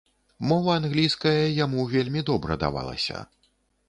Мова англійская яму вельмі добра давалася.